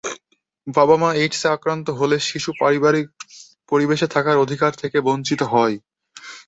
বাবা-মা এইডসে আক্রান্ত হলে শিশু পারিবারিক পরিবেশে থাকার অধিকার থেকে বঞ্চিত হয়।